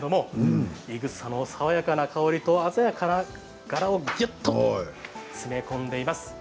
いぐさの爽やかな香りと鮮やかな柄をぎゅっと詰め込んでいます。